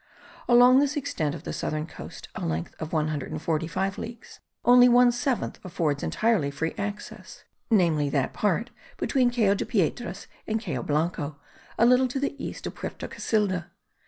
Along this extent of the southern coast a length of 145 leagues, only one seventh affords entirely free access; namely that part between Cayo de Piedras and Cayo Blanco, a little to the east of Puerto Casilda.